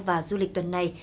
và du lịch tuần này